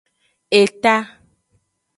Eta.